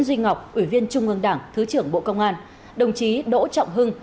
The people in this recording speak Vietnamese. duy ngọc ủy viên trung ương đảng thứ trưởng bộ công an đồng chí đỗ trọng hưng